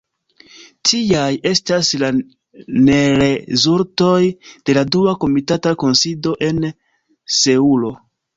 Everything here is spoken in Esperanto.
Tiaj estas la nerezultoj de la dua komitata kunsido en Seulo.